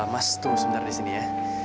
mas tuh sebentar disini ya